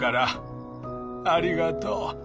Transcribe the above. ありがとう。